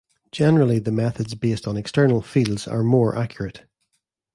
Generally the methods based on external fields are more accurate.